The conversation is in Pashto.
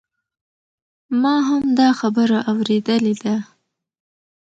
ما هم دا خبره اوریدلې ده